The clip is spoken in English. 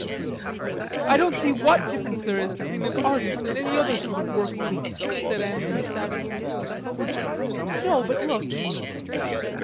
"I don't see what difference there is between an artist and any other sort of workman," said Andrews savagely. "No, but look."